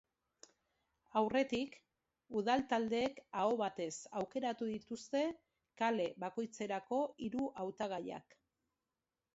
Aurretik, udal taldeek aho batez aukeratu dituzte kale bakoitzerako hiru hautagaiak.